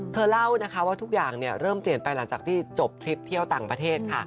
เธอเล่านะคะว่าทุกอย่างเริ่มเปลี่ยนไปหลังจากที่จบทริปเที่ยวต่างประเทศค่ะ